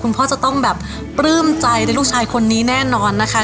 พ่อจะต้องแบบปลื้มใจในลูกชายคนนี้แน่นอนนะคะ